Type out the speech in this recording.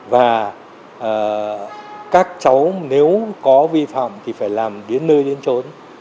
và các cháu nếu có vi phạm thì phải làm điến nơi điến trốn